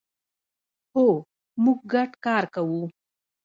هو، موږ ګډ کار کوو